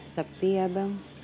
sepi ya bang